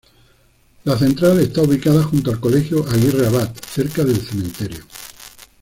La central está ubicada junto al colegio Aguirre Abad, cerca del Cementerio.